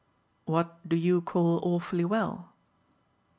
"What do you call awfully well?"